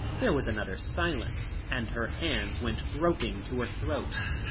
There was another silence and her hands went groping to her throat.